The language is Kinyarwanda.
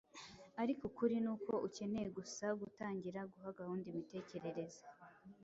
Ariko ukuri ni uko ukeneye gusa gutangira guha gahunda imitekerereze